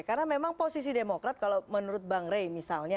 karena memang posisi demokrat kalau menurut bang rey misalnya